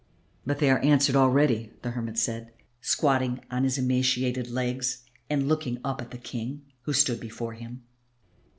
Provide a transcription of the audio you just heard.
"But they are answered already," the hermit said, squatting on his emaciated legs and looking at up the King, who stood before him.